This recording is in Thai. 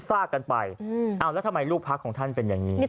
ซากกันไปแล้วทำไมลูกพักของท่านเป็นอย่างนี้